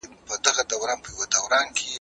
که عربي ژبه زده کړئ نو د سياست پراخوالی به وپېژنئ.